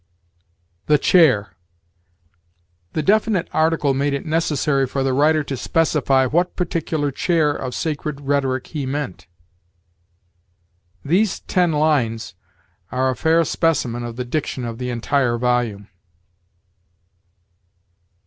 "The chair." The definite article made it necessary for the writer to specify what particular chair of Sacred Rhetoric he meant. These ten lines are a fair specimen of the diction of the entire volume.